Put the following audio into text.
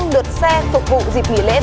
đợt xe phục vụ dịp nghỉ lễ ba mươi tháng bốn